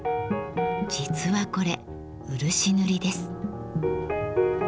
実はこれ漆塗りです。